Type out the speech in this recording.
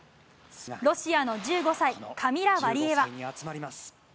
ロシアの１５歳、カミラ・ワリエワ。